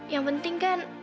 yang penting kan